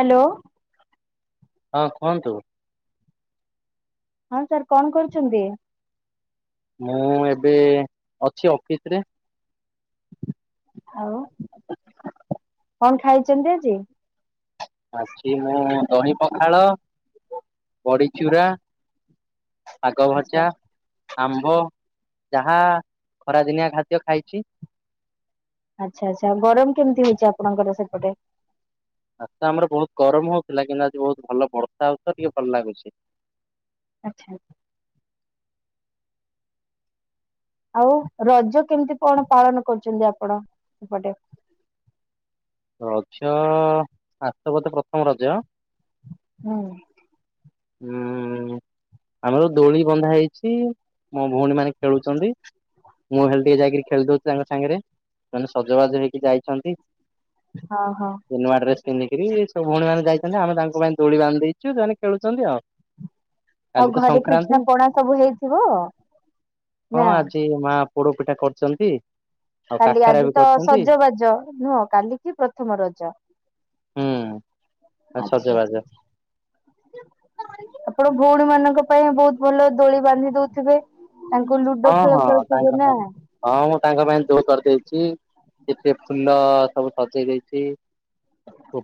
Hello. ହଁ କୁହନ୍ତୁ। ହଁ ସାର୍ କଣ କରୁଛନ୍ତି? ମୁଁ ଏବେ ଅଛି ଅଫିସରେ। ଆଉ କଣ ଖାଇଛନ୍ତି ଆଜି? ଆଜି ମୁଁ ଦହି ପଖାଳ ବଢ଼ି ଚୁରା ଶାଗ ଆଛା ଭଜା ଆମ୍ବ ଯାହା ଖରାଦିନିଆ ଖାଦ୍ୟ ଖାଇଛି। ଆଚ୍ଛା ଆଚ୍ଛା ଗରମ କେମିତି ହେଇଛି ଆପଣଙ୍କର ସେପଟେ? ଆଜି ତ ଆମର ବୋହୁତ୍ ଗରମ ହଉଥିଲା। କିନ୍ତୁ ଆଜି ବୋହୁତ୍ ଭଲ ବର୍ଷା ହେଇଥିଲା ଟିକେ ଭଲ ଲାଗୁଛି। ଆଚ୍ଛା। ଆଉ ରଜ କେମିତି କଣ ପାଳନ କରୁଛନ୍ତି ଆପଣ ସେପଟେ? ରଜ ଆଜି ତ ବଧେ ପ୍ରଥମ ରଜ। ହୁଁ। ହୁଁ ଆମର ଦୋଳି ବନ୍ଧା ହେଇଛି ମୋ ଭଉଣୀ ମାନେ ଖେଳୁଛନ୍ତି। ମୁଁ ହେଲେ ଟିକେ ଯାଇକିରି ଖେଳି ଦଉଛି ତାଙ୍କ ସାଙ୍ଗରେ ସୋନେ ସଜବାଜ ହେଇକି ଯାଇଛନ୍ତି। ହଁ ହଁ। ନୂଆ ଡ୍ରେସ୍ ପିନ୍ଧିକିରି ସବୁ ଭଉଣ ମାନ ଯାଇଛନ୍ତି ଆମ ତା ପାଇଁ ଦୋଳି ବାନ୍ଧି ଦେଇଛୁ ସେମାନେ ଖେଳୁଛନ୍ତି ଆଉ। ଆଉ କାଲି ତ ଘରେ ସଂକ୍ରାନ୍ତି ପିଠା ପଣା ସବୁ ହେଇଥିବ ହଁ ନା? ଆଜି ମା ପୋଡ ପିଠା କରୁଛନ୍ତି। କାଲି ଆଜି ତ ସଜବାଜ ନୁହଁ କାଲି କି ପ୍ରଥମ ରଜ। ହୁଁ ଆଉ ଆଛା ସଜବାଜ ଆଛା। ଆପଣ ଭଉଣୀ ମାନଙ୍କ ପାଇଁ ବୋହୁତ୍ ଭଲ ଦୋଳି ବାନ୍ଧି ଦଉଥିବେ ତାଙ୍କୁ ଲୁଡୋ ହଁ ଖେଳ ହଁ ଖେଳୁଥିବେ ତାଙ୍କ ନା। ପାଇଁ ହଁ ମୁଁ ତାଙ୍କ ପାଇଁ ଦୋଳି କରିଦେଇଛି। ଏତେ ଫୁଲ ସବୁ ସଜେଇଇଯାଇଛି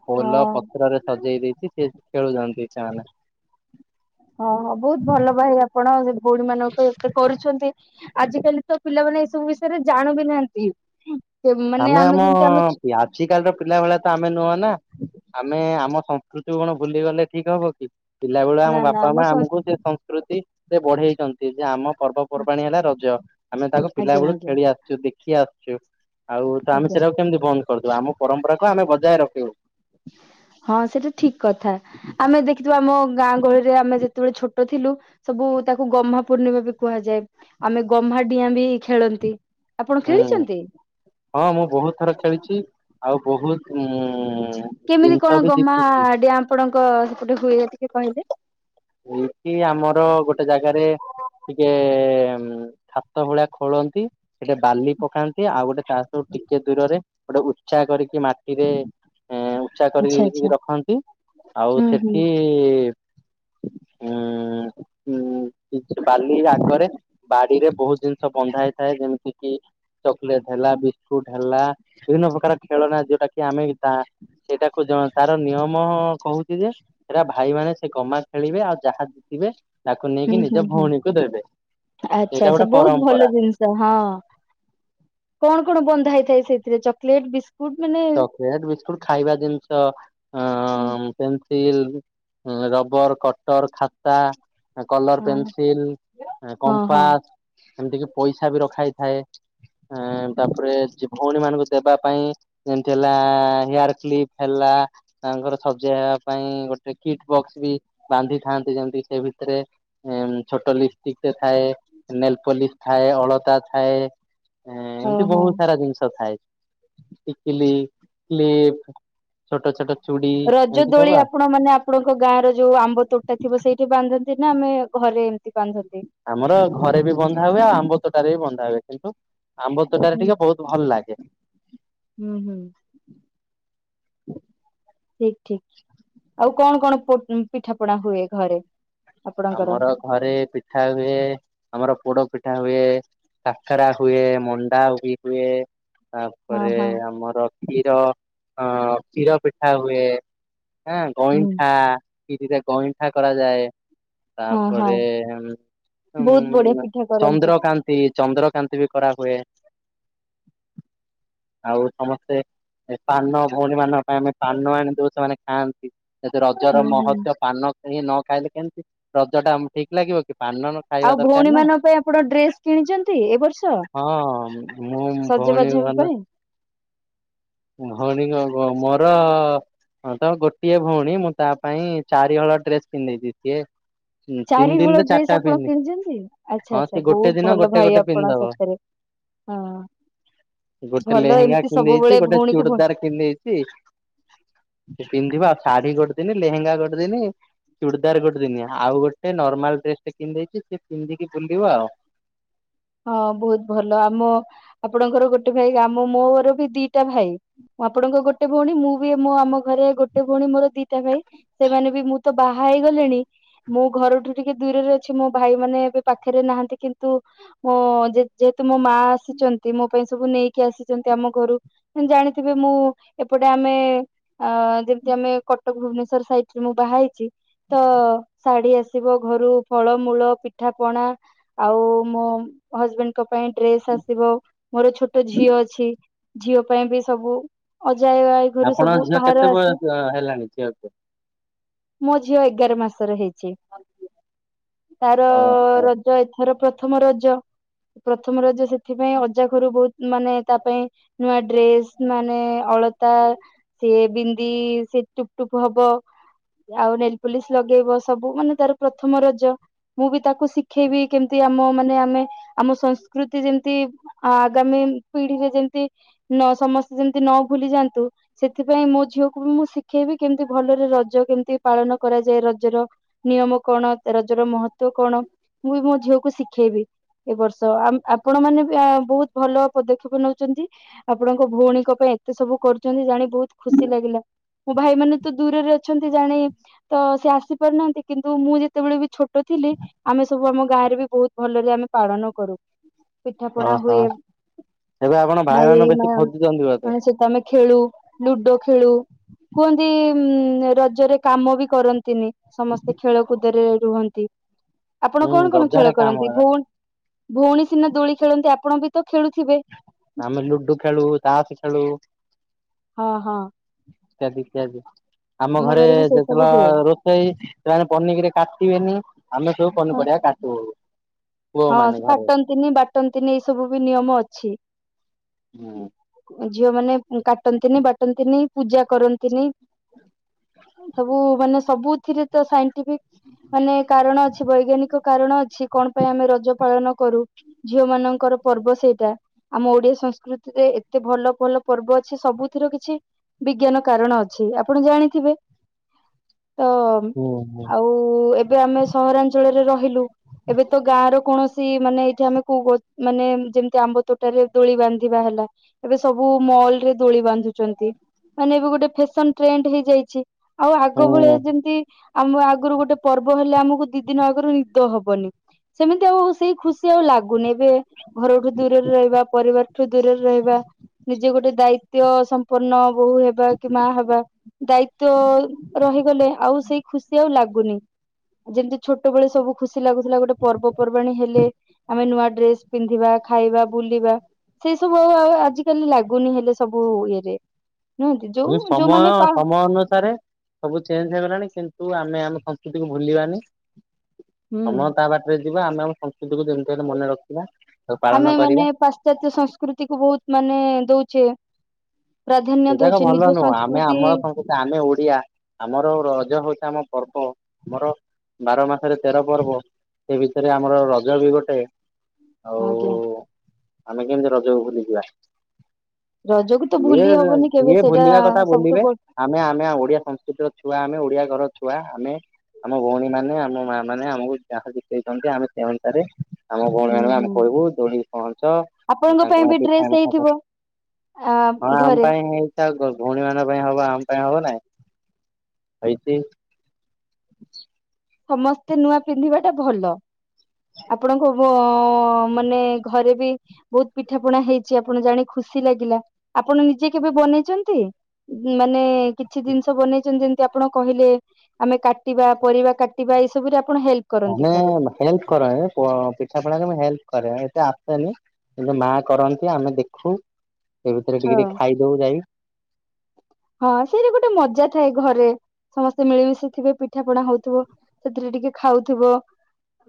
ବୋଲ ହଁ। ପତ୍ରରେ ସଜେଇ ଦେଇଛି ସେ ଖେଳୁଛନ୍ତି ସେମାନେ। ଓ ହୋ ବୋହୁତ୍ ଭଲ ଭାଇ ଆପଣ ସେ ଭଉଣୀ ମାନଙ୍କୁ ଏତେ କରୁଛନ୍ତି। ଆଜି କାଲି ତ ପିଲାମାନେ ଏସବୁ ବିଷୟରେ ଜାଣ ବି ନାହାନ୍ତି। ମାନେ ଆମେ ଆମ ଯେମିତି ଆମେ ପିଆ ଆଜି କାଲିର ପିଲା ଭଳିଆ ତ ଆମେ ନୁହଁ ନା, ଆମେ ଆମ ସଂସ୍କୃତି କଣ ଭୁଲି ଗଲେ ଠିକ୍ ହବ କି। ପିଲା ବେଳ ନା ଆମ ନା ବାପା ମା ସଂସ୍ଥା ଆମକୁ ସେ ସଂସ୍କୃତିରେ ବଢେଇଛନ୍ତି ଯେ ଆମ ପର୍ବ ପର୍ବାଣୀ ହେଲା ରଜ, ଆମେ ତାକୁ ପିଲା ଆଜ୍ଞା ବେଳକୁ ଆଜ୍ଞା ଖେଳି ଆସିଛୁ ଦେଖି ଆସିୁଛୁ। ଆଉ ତ ଆମେ ଆଜ୍ଞା ସେଟାକୁ କେମିତି ବନ୍ଦ କରିଦୁ ଆମ ପରମ୍ପରାକୁୁ ଆମେ ବଜାୟ ରଖିବୁ। ହଁ ସେଇଟା ଠିକ୍ କଥା। ଆମେ ଦେଖିଥିବା ଆମ ଗାଁ ଗହଳିରେ ଆମେ ଯେତେବେଳେ ଛୋଟ ଥିଲୁ ସବୁ ତାକୁ ଗହ୍ମା ପୂର୍ଣ୍ଣିମା ବି କୁହାଯାଏ। ଆମେ ଗହ୍ମା ଡିଆଁ ବି ଖେଳନ୍ତି। ଆପଣ ହୁଁ। ଖେଳିଛନ୍ତି? ହଁ ମୁଁ ବୋହୁତ୍ ଥର ଖେଳିଛି। ଆଉ ବୋହୁତ୍ ମୁଁ କେମିତି କଣ ଗମାଡିଆ ଆପଣଙ୍କ ସେପଟେ ହୁଏ ଟିକେ କହିଲେ? ଏଇଠି ଆମର ଗୋଟେ ଜାଗାରେ ଟିକେ ହାତ ଭଳିଆ ଖୋଳନ୍ତି। ସେଠେ ବାଲି ପକାନ୍ତି ଆଉ ଗୋଟେ ଚାଷ ସବୁ ଟିକେ ଦୂରରେ ଗୋଟେ ଉତ୍ସାହ କରିକି ମାଟିରେ ଏଁ ଉ୍ଚା କରି ଆଚ୍ଛା ଆଚ୍ଛା ରଖନ୍ତି ଆଉ ହୁଁ ହୁଁ ସେଠି ହ ହୁଁ ବାଲି ଆଗରେ ବାଡିରେ ବୋହୁତ୍ ଜିନିଷ ବନ୍ଧା ହେଇଥାଏ ଯେମିତି କିି ଚକୋଲେଟ ହେଲା ବିସ୍କୁଟ ହେଲା ବିଭିନ୍ନ ପ୍ରକାର ଖେଳ ନା ଯୋଉଟା କି ଆମେ ସେଇଟାକୁ ଜଣ ତାର ନିୟମ କହୁଛି ଯେ ସେଟା ଭାଇ ମାନେ ସେ ଗମା ଖେଳିବେ ଆଉ ଯାହା ଜିତିବେ ତାକୁ ହୁଁ ନେଇକି ହୁଁ ନିଜ ହୁଁ। ଭଉଣୀକୁ ଦେବେ, ଆଚ୍ଛା ସେଇଟା ଆଚ୍ଛା ଗୋଟେ ବହୁତ ଭଲ ପରମ୍ପରା। ଜିନିଷ ହଁ କଣ କଣ ବନ୍ଧା ହେଇଥାଏ ସେଥିରେ ଚକୋଲେଟ୍ ବିସ ବହୁତ୍ ମାନେ ଚକୋଲେଟ ବିସ୍କୁଟ ଖାଇବା ଜିନିଷ ଅଁ ହୁଁ, ମ୍ ପେନସିଲ୍, ରବର, କଟର, ଖାତା। କଲର ହଁ ପେନସିଲ, ହଁ ହଁ କମ୍ପାସ ଏମିତି କି ପଇସା ବି ରଖା ହେଇଥାଏ। ଆଁ ତାପରେ ଭଉଣୀ ମାନଙ୍କୁ ଦେବା ପାଇଁ ଯେମିତି ହେଲା ହେୟାର୍ କ୍ଲିପ୍ ହେଲା। ତାଙ୍କର ସଜେଇ ହେବା ପାଇଁ ଗୋଟେ କିଟ୍ ବକ୍ସ ବି ବାନ୍ଧି ଥାନ୍ତି ଯେମତି ସେ ଭିତରେ ଏଁ ଛୋଟ ଲିପଷ୍ଟିକ ଟେ ଥାଏ ନେଲପଲିସ ଥାଏ ଅଳତା ଥାଏ। ଏଁ ଏମିତି ଓହୋ ବହୁତ ସାରା ଜିନିଷ ଥାଏ। ଟିକିଲି, କ୍ଲିପ, ଛୋଟ ଛୋଟ ଚୁଡ଼ି ରଜ ଏମିତି ଦୋଳି ସବୁ ଆଉ ଆପଣ ମାନେ ଆପଣଙ୍କ ଗାଁ ର ଯୋଉ ଆମ୍ବ ତୋଟା ଥିବ ସେଇଠି ବାନ୍ଧନ୍ତି ନା ଆମେ ଘରେ ଏମିତି ବାନ୍ଧନ୍ତି। ଆମର ଘରେ ବି ବନ୍ଧା ହୁଏ ଆଉ ଆମ୍ବ ତୋଟାରେ ବି ବନ୍ଧା ହୁଏ କିନ୍ତୁ ଆମ୍ବ ତୋଟାରେ ହୁଁ ଟିକେ ବହୁତ ଭଲ ଲାଗେ। ହୁଁ ହୁଁ। ଠିକ୍ ଠିକ୍ ଆଉ କଣ କଣ ପୋ ପିଠା ପଣା ହୁଏ ଘରେ ଆପଣଙ୍କର ଆମର ଘରେ ପିଠା ହୁଏ ଆମର ପୋଡ ପିଠା ହୁଏ। କାକରା ହୁଏ ମଣ୍ଡା ବି ହୁଏ। ହଁ ତାପରେ ହଁ ଆମର କ୍ଷୀର ଅ କ୍ଷୀର ପିଠା ହୁଏ। ହଁ ହୁଁ ଗଇଁଠା କିରିରେ ଗଇଁଠା କରାଯାଏ। ହଁ ହଁ ତାପରେ ବହୁତ ବଢିଆ ଉଁ ପିଠା କରନ୍ତି ଚନ୍ଦ୍ରକାନ୍ତ ତି ଚନ୍ଦ୍ରକାନ୍ତି ବି କରାହୁଏ। ଆଉ ସମସ୍ତେ ଏ ପାନ ଭଉଣୀ ମାନଙ୍କ ପାଇଁ ଆମେ ପାନ ଆଣି ଦଉ ସେମାନେ ଖାଆନ୍ତି। ଏ ରଜର ହୁଁ ହୁଁ ମହତ୍ଵ ପାନ କିଣିକି ନ ଖାଇଲେ କେମିତି ଲ ରଜ ଟା ଠିକ୍ ଲାଗିବ କି ପାନ ନ ଆଉ ଖାଇବା ଦରକାର ଭଉଣୀ ନା ମାନଙ୍କ ପାଇଁ ଆପଣ ଡ୍ରେସ କିଣିଛନ୍ତି ଏ ବର୍ଷ ହଁ ମୁଁ ଭଉଣୀ ସଜବାଜ ହେବା ଭଲ ପାଇଁ ଭଉଣୀ ମୋର ହଁ ତ ଗୋଟିଏ ଭଉଣୀ ମୁଁ ତା ପାଇଁ ଚାରିହଳ ଡ୍ରେସ କିଣିଦେଇଛିି ସିଏ ଉଁ, ତିନି ଚାରିହଳ ଦିନରେ ଚାରିଟା ଡ୍ରେସ ଆପଣ ପିନ୍ଧି କିଣିଛନ୍ତି ଆଚ୍ଛା ହଁ ଆଚ୍ଛା ସେ ଗୋଟେ ବହୁତ ଦିନ ଭଲ ଗୋଟେ ଭାଇ ଗୋଟେ ଆପଣ ପିନ୍ଧିଦବ ସତରେ ହଁ ଭଲ ଏମିତି ସବୁବେଳେ ଭଉଣୀ କୁ ବଞ୍ଚ ପନ୍ଧେଇଛି ସେ ପିନ୍ଧିବ ଆଉ ଶାଢୀ ଗୋଟେଦିନି ଲେହେଙ୍ଗା ଗୋଟେଦିନି ଚୁଡ଼ଦାର ଗୋଟେ ଦିନି ଆଉ ଗୋଟେ ନର୍ମାଲ ଡ୍ରେସ ଟେ କିଣିଦେଇଛି ସେ ପିନ୍ଧିକି ବୁଲିବ ଆଉ ହଁ ବହୁତ ଭଲ ଆମ ଆପଣଙ୍କର ଗୋଟେ ଭାଇ ଆମ ମୋର ବି ଦିଟା ଭାଇ ମୁଁ ଆପଣଙ୍କ ଗୋଟେ ଭଉଣୀ ମୁଁ ବି ମୋ ଆମ ଘରେ ଗୋଟେ ଭଉଣୀ ମୋର ଦିଟା ଭାଇ। ସେମାନେ ବି ମୁଁ ତ ବାହା ହେଇଗଲିଣି। ମୁଁ ଘରଠୁ ଟିକେ ଦୂରରେ ଅଛି ମୋ ଭାଇ ମାନେ ଏବେ ପାଖରେ ନାହାନ୍ତି କିନ୍ତୁ ହଁ ଯେହେତୁ ମୋ ମାଁ ଆସିଛନ୍ତି ମୋ ପାଇଁ ସବୁ ନେଇକି ଆସିଛନ୍ତି ଆମ ଘରୁ ଜାଣିଥିବେ ମୁଁ ଏପଟେ ଆମେ ଅ ଯେମିତି ଆମେ କଟକ ଭୁବନେଶ୍ୱର ସାଇଟରେ ମୁଁ ବାହାହେଇଛି ତ ଶାଢୀ ଆସି ଆସିବ ଘରୁ ଫଳମୂଳ ପିଠା ପଣା ଆଉ ମୋ ହଜବେଣ୍ଡଙ୍କ ପାଇଁ ଡ୍ରେସ ଆସିବ ମୋର ଛୋଟ ଝିଅ ଅଛି। ଝିଅ ପାଇଁ ବି ସବୁ ଅଜା ଆ ଆଈ ଘରୁ ଆପଣଙ୍କ ସବୁ ଝିଅ ଭାର କେତେ ଆସେ ବୟସ ହେଲାଣି ଝିଅକୁ? ମୋ ଝିଅ ଏଗାର ମାସର ହେଇଛି ତାର ଓହୋ ରଜ ତ ଏଥର ପ୍ରଥମ ରଜ ପ୍ରଥମ ରଜ ସେଥିପାଇଁ ଅଜା ଘରୁ ବହୁତ୍ ମାନେ ତା ପାଇଁ ନୂଆ ଡ୍ରେସ୍ ମାନେ ଅଳ ତା ସିଏ ବିନ୍ଦି ସିଏ ଟୁପ ଟୁପ ହବ। ଆଉ ନେଲପୁଲିସ ଲଗେଇବ ସବୁ ମାନେ ତାର ପ୍ରଥମ ରଜ। ମୁଁ ବି ତାକୁ ଶିଖେଇବି କେମିତି ଆମ ମାନେ ଆମେ ଆମ ସଂସ୍କୃତି ଯେମତି ଆ ଆଗାମୀ ପିଢିରେ ଯେମତି ନ ସମସ୍ତେ ଯେମିତି ନ ଭୁଲି ଯାଆନ୍ତୁ। ସେଥିପାଇଁ ମୋ ଝିଅକୁ ବି ମୁଁ ଶିଖେଇବି କେମିତି ଭଲରେ ରଜ କେମିତି ପାଳନ କରାଯାଏ ରଜର ନିୟମ କଣ ରଜର ମହତ୍ୱ କଣ ମୁଁ ବି ମୋ ଝିଅକୁ ଶିଖେଇବି। ଏ ବର୍ଷ ଆମ୍ ଆପଣ ମାନେ ବି ଆ ବହୁତ ଭଲ ପଦକ୍ଷେପ ନଉଚନ୍ତି। ଆପଣଙ୍କ ଭଉଣୀଙ୍କ ପାଇଁ ଏତେ ସବୁ କରୁଚନ୍ତି ଜାଣି ବୋହୁତ ଖୁସି ଲାଗିଲା। ମୁଁ ଭାଇ ମାନ ତ ଦୂରରେ ଅଛନ୍ତି ଜାଣେ ତ ସେ ଆସି ପାରୁନାହାନ୍ତି କିନ୍ତୁ ମୁଁ ଯେତେବେଳେ ବି ଛୋଟ ଛୋଟ ଥିଲେ ଆମେ ସବୁ ଆମ ଗାଁରେ ବି ବହୁତ ଭଲରେ ଆମେ ପାଳନ କରୁ। ପିଠା ପଣା ଓହୋ ହୁଏ ଏବେ ଆପଣ ମାନଙ୍କୁ ଭାଇ ମା ବେଶୀ ଖୋଜୁଛନ୍ତି ବୋଧେ ମାନେ ସେତ ଆମେ ଖେଳୁ। ଲୁଡୋ ଖେଳୁ କୁହନ୍ତି ରଜରେ କାମ ବି କରନ୍ତିନି। ସମସ୍ତେ ଖେଳ କୁଦରେ ରୁହନ୍ତି ଆପଣ ହୁଁ କଣ କଣ ଖେଳ ରଜରେ କାଁ କରନ୍ତି ମଜା ଭୁଲ ଭଉଣୀ ସିନା ଦୋଳି ଖେଳନ୍ତି ଆପଣ ବି ତ ଖେଳୁଥିବେ। ଆମେ ଲୁଡୁ ଖେଳୁ ତାସ ଖେଳୁ। ହଁ ହଁ। ଇତ୍ୟାଦି ଇତ୍ୟାଦି ଆମ ଘରେ ବି ସେ ଯେ ଥିଲା ସବୁ ହୁଏ ରୋଷ ସେଇ ସେମାନେ ପନିିକିରେ କାଟିବେନି ଆମେ ସବୁ ହଁ ପନିପରିବା କାଟିବୁ। ହଁ ସେ କାଟନ୍ତିନି ବାଟନ୍ତିନି ଏଇ ସବୁ ବି ନିୟମ ଅଛି। ହୁଁ। ଝିଅ ମାନ କାଟନ୍ତିନି ବାଟନ୍ତିନି ପୂଜା କରନ୍ତିନି। ସବୁ ମାନେ ସବୁଥିରେ ତ ସାଇନ୍ ଟିପିକ୍ ମାନେ କାରଣ ଅଛି ବୈଜ୍ଞାନିକ କାରଣ ଅଛି କଣ ପାଇଁ ଆମେ ରଜ ପାଳନ କରୁ। ଝିଅ ମାନଙ୍କର ପର୍ବ ସେଇଟା। ଆମ ଓଡିଆ ସଂସ୍କୃତିରେ ଏତେ ଭଲ ଭଲ ପର୍ବ ଅଛି ସବୁଥିର କିଛି ବିଜ୍ଞାନ କାରଣ ଅଛି ଆପଣ ଜାଣିଥିବେ ତ ହୁଁ ହୁଁ। ଆଉ ଏବେ ଆମେ ସହରାଞ୍ଚଳରେ ରହିଲୁ। ହଁ ଏବେ ତ ଗାଁରେ କୌଣସି ମାନେ ଏଠି ଆମେ କ ମାନେ ଯେମିତି ଆମ୍ବ ତୋଟାରେ ଦୋଳି ବାନ୍ଧିବା ହେଲା। ଏବେ ସବୁ ମଲ ରେ ଦୋଳି ବାନ୍ଧୁଛନ୍ତି ମାନେ ଏବେ ଗୋଟେ ଫେସନ ଟ୍ରେଣ୍ଡ ହେଇଯାଇଛି। ଆଉ ଆଗ ଭଳିଆ ଯେମତି ଆମ ଆଗୁରୁ ଗୋଟେ ପର୍ବ ହେଲେ ଆମକୁ ଦି ଦିନ ଆଗରୁ ନିଦ ହବନି ସେମିତି ଆଉ ସେଇ ଖୁସି ସେ ଆଉ ଲାଗୁନି ଏବେ ଘରଠୁ ଦୂରରେ ରହିବା ପରିବାରଠୁ ଦୂରରେ ରହିବା। ନିଜେ ଗୋଟେ ଦାୟିତ୍ଵ ସମ୍ପନ୍ନ ବୋହୂ ହେବା କି ମା ହେବା। ଦାୟିତ୍ଵ ରହିଗଲେ ଆଉ ସେଇ ଖୁସି ଆଉ ଲାଗୁନି। ଯେମିତି ଛୋଟବେଳେ ସବୁ ଖୁସି ଲାଗୁଥିଲା ଗୋଟେ ପର୍ବପର୍ବାଣୀ ହେଲେ ଆମେ ନୂଆ ଡ୍ରେସ ପିନ୍ଧିବା ଖାଇବା ବୁଲିବା। ସେଇ ସବୁ ଆଉ ଆଜିିକାଲି ଲାଗୁନି ହେଲେ ସବୁ ଇଏରେ। ନୁହନ୍ତି ଏ ଯୋଉ ସମୟ ଯୋଉମାନେ ପା ସମୟ ଅନୁସାରେ ସବୁ ଚେଞ୍ଜ ହେଇଗଲାଣି କିନ୍ତୁ ଆମେ ଆମ ସଂସ୍କୃତିକୁୁ ଭୁଲିବାନି ହୁଁ ସମୟ ତା ବାଟ ଯଦି ଯିବା ଆମେ ଆମ ସଂସ୍କୃତିକୁୁ ଯେମିତି ହେଲେ ମନେ ରଖିବା। ତାକୁ ପାଳନ ଆମେ କରିବା। ମାନେ ପାଶ୍ଚାତ୍ୟ ସଂସ୍କୃତି କୁ ବୋହୁତ ମାନେ ଦୋଉଚେ। ପ୍ରାଧାନ୍ୟ ଦଉଚେ ନିଜ ସଂସ୍କୃତି ସେ ତ ଆମେ ଓଡିଆ ଆମର ରଜ ହଉଚି ଆମ ପର୍ବ ଆମର ବାର ମାସରେ ତେର ପର୍ବ ସେ ଭିତରେ ଆମର ରଜ ବି ଗୋଟେ ଆଉ ଆଜ୍ଞା ଆମେ କେମିତି ରଜକୁ ଭୁଲି ଯିବା। ରଜକୁ ତ ଭୁଲି ହବନି। କେବେ ସିଏ ସେଇଟା ଭୁଲିବା କଥା ସବୁଠୁ ବୁଲିବେ ବ ଆମେ ଆମେ ଓଡିଆ ସଂସ୍କୃତିର ଛୁଆ ଆମେ ଓଡିଆ ଘରର ଛୁଆ ଆମେ। ଆମ ଭଉଣୀ ମାନେ ଆମ ମା ମାନେ ଆମକୁ ଯାହା ଶିଖେଇଛନ୍ତି ଆମେ ସେ ଅନୁସାରେ। ଆମ ଭଉଣୀ ହୁଁ ମାନଙ୍କୁ ଆମେ ହୁଁ କହିବୁ ଦୋଳି ପହଞ୍ଚ ଆପଣଙ୍କ ପାଇଁ ତାଙ୍କ ବି ଡ୍ରେସ ପିଠା ମିଠା ହେଇଥିବ ଆ ଘରେ ଏଇଟା ଭଉଣୀ ମାନଙ୍କ ପାଇଁ ହବ ଆମ ପାଇଁ ହବ ନାଇଁ ହେଇଛି ସମସ୍ତେ ନୂଆ ପିନ୍ଧିବା ଟା ଭଲ ଆପଣଙ୍କ ମାନେ ଘରେ ବି ବହୁତ ପିଠା ପଣା ହେଇଛି ଆପଣ ଜାଣି ଖୁସି ଲାଗିଲା ଆପଣ ନିଜେ କେବେ ବନେଇଛନ୍ତି ମାନେ କିଛି ଜିନିଷ ବନେଇଛନ୍ତି ଯେମିତି ଆପଣ କହିଲେ ଆମେ କାଟିବା ପରିବା କାଟ ଏଇ ସବୁରେ ଆପଣ ହେଲ୍ପ କରନ୍ତି ଘରେ ମାନେ ହେଲ୍ପ କର ହେ ପିଠା ପଣାରେ ମୁଁ ହେଲ୍ପ କରେ ଏତେ ଆସେନି କିନ୍ତୁ ମା କରନ୍ତି ଆମେ ଦେଖୁ ସେ ଭିତରେ ହଁ ଟିକେ ଟିକେ ଖାଇଦବୁ ଯାଇ ହଁ ସେଇଟା ଗୋଟେ ମଜା ଥାଏ ଘରେ ସମସ୍ତେ ମିଳିମିଶି ଥିବେ ପିଠା ପଣା ହଉଥିବ ସେଥିରେ ଟିକେ ଖାଉଥିବ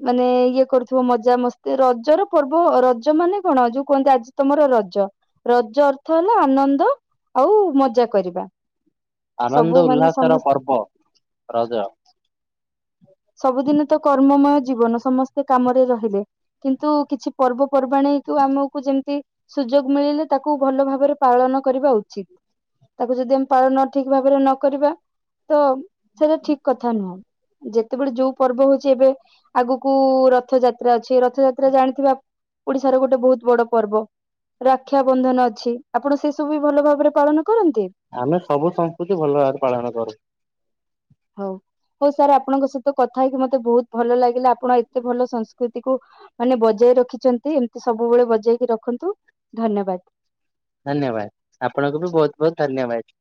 ମାନେ ଇଏ କରୁଥିବ ମଜା ମସ୍ତି ରଜର ପର୍ବ ରଜ ମାନେ କଣ ଯୋଉ କୁହନ୍ତି ଆଜି ତମର ରଜ ରଜ ଅର୍ଥ ହେଲା ଆନନ୍ଦ ଆଉ ମଜା କରିବା ସବୁ ଆନନ୍ଦ ମାନେ ଉଲ୍ଲାସ ସମ ର ପର୍ବ ରଜ ସବୁଦିନ ତ କର୍ମମୟ ଜୀବନ ସମସ୍ତେ କାମରେ ରହିଲେ କିନ୍ତୁ କିଛି ପର୍ବ ପର୍ବାଣୀ କୁ ଆମକୁ ଯେମିତି ସୁଯୋଗ ମିଳିଲେ ତାକୁ ଭଲ ଭାବରେ ପାଳନ କରିବା ଉଚିତ ତାକୁ ଯଦି ଆମେ ପାଳନ ଠିକ ଭାବରେ ନ କରିବା ତ ସେଟା ଠିକ କଥା ନୁହଁ ଯେ ଯେତେବେଳେ ଯୋଉ ପର୍ବ ହଉଛି ଏବେ ଆଗକୁ ରଥଯାତ୍ରା ଅଛି ରଥଯାତ୍ରା ଜାଣିଥିବ। ଓଡିଶାର ଗୋଟେ ବହୁତ ବଡ ପର୍ବ ରକ୍ଷାବନ୍ଧନ ଅଛି ଆପଣ ସେ ସବୁ ବି ଭଲ ଭାବରେ ପାଳନ କରନ୍ତି। ଆମେ ସବୁ ସଂସ୍କୃତି ଭଲ ଭାବରେ ପାଳନ କରୁ ହଉ ହଉ ସାର୍ ଆପଣଙ୍କ ସହିତ କଥା ହେଇକି ମତେ ବହୁତ ଭଲ ଲାଗିଲା ଆପଣ ଏତେ ଭଲ ସଂସ୍କୃତି କୁ ମାନେ ବଜାଇ ରଖିଛନ୍ତି ଏମିତି ସବୁବେଳେ ବଜେଇ କି ରଖନ୍ତୁ ଧନ୍ୟବାଦ। ଧନ୍ୟବାଦ ଆପଣଙ୍କୁ ବି ବହୁତ ବହୁତ ଧନ୍ୟବାଦ,